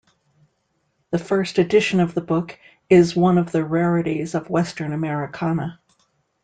The first edition of the book is one of the rarities of western Americana.